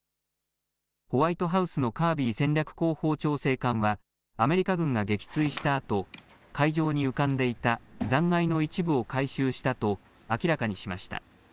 ホワイトハウスのカービー戦略広報調整官はアメリカ軍が撃墜したあと、海上に浮かんでいた残骸の一部を回収したと明らかにしました。